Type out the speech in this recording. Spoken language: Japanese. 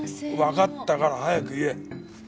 わかったから早く言え。